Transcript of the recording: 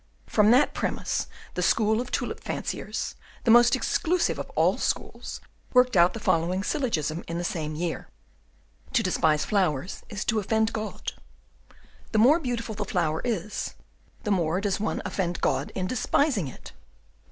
From that premise the school of tulip fanciers, the most exclusive of all schools, worked out the following syllogism in the same year: "To despise flowers is to offend God. "The more beautiful the flower is, the more does one offend God in despising it.